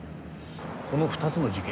この２つの事件